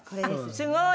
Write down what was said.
すごい！